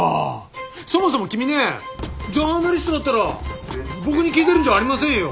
そもそも君ねジャーナリストだったら僕に聞いてるんじゃありませんよ。